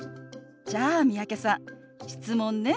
じゃあ三宅さん質問ね。